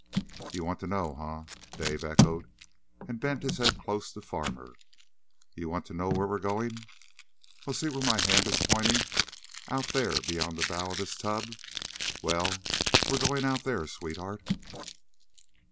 _" "You want to know, huh?" Dave echoed, and bent his head close to Farmer. "You want to know where we're going? Well, see where my hand is pointing? Out there beyond the bow of this tub? Well, we're going out there, sweetheart."